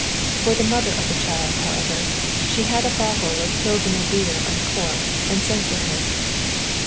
For the mother of the child, however, she had a bottle of Pilsener beer uncorked, and sent to her.